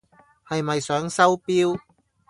係咪想收錶？